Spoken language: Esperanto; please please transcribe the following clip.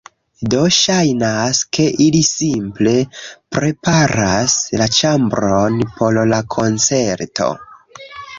Do, ŝajnas, ke ili simple preparas la ĉambron por la koncerto